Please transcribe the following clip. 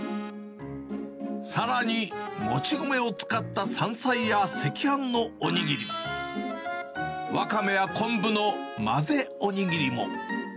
さらに、もち米を使った山菜や赤飯のおにぎり、わかめや昆布の混ぜおにぎ